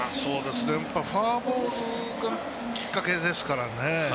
フォアボールがきっかけですからね。